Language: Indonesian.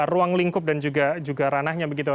ruang lingkup dan juga ranahnya begitu